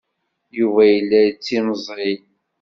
Yuba yella yettimẓiy.